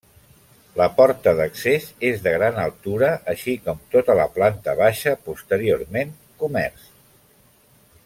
La porta d'accés és de gran altura així com tota la planta baixa, posteriorment comerç.